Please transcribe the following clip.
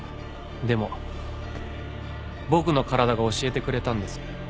でも僕の体が教えてくれたんです。